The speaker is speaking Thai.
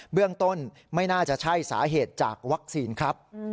เรื่องต้นไม่น่าจะใช่สาเหตุจากวัคซีนครับ